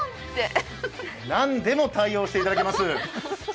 なんでも対応していただけます。